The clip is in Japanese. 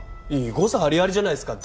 誤差ありありじゃないですか。